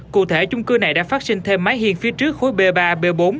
cụ thể chung cư này đã phát sinh thêm máy hiên phía trước khối b ba b bốn